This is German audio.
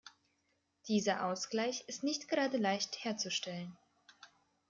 Dieser Ausgleich ist nicht gerade leicht herzustellen.